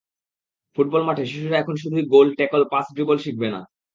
Football মাঠে শিশুরা এখন শুধুই গোল, ট্যাকল, পাস, ড্রিবল শিখবে না।